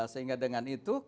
sehingga dengan itu